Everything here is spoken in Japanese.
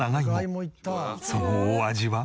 そのお味は？